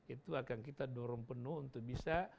itu akan kita dorong penuh untuk bisa